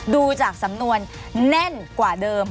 ดูจากสำนวนแน่นกว่าเดิม